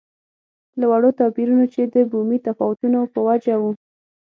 له وړو توپیرونو چې د بومي تفاوتونو په وجه وو.